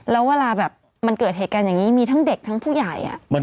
แล้วเวลาแบบมันเกิดเหตุการณ์อย่างนี้มีทั้งเด็กทั้งผู้ใหญ่